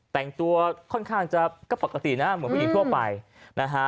แต่งตัวค่อนข้างจะก็ปกตินะเหมือนผู้หญิงทั่วไปนะฮะ